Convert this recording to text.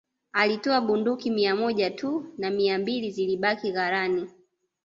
Alitoa bunduki mia moja tu na mia mbili zilibaki ghalani